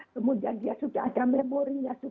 kemudian dia sudah ada melakukan antigen